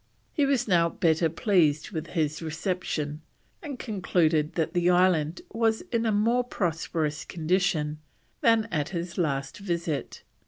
He was now better pleased with his reception, and concluded that the island was in a more prosperous condition than at his last visit.